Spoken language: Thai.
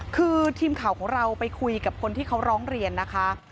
คือทีมข่าวของเราไปคุยกับคนที่เขาร้องเรียนนะคะ